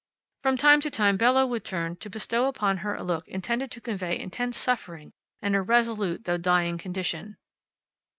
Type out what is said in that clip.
From time to time Bella would turn to bestow upon her a look intended to convey intense suffering and a resolute though dying condition.